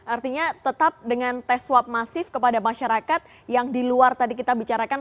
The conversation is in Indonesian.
artinya tetap dengan tes swab masif kepada masyarakat yang di luar tadi kita bicarakan